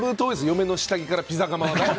嫁の下着からピザ窯はね。